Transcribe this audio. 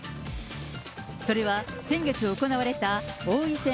それは先月行われた王位戦